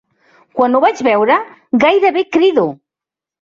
Quan ho vaig veure, gairebé crido.